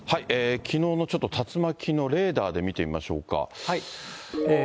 きのうのちょっと竜巻のレーダーで見てみましょうか。